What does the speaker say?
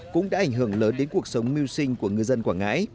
cũng đã ảnh hưởng lớn đến cuộc sống miêu sinh của ngư dân quảng ngãi